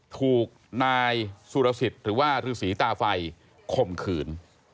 ถูกนายสุรสิทธิ์หรือว่าฤษีตาไฟข่มขืน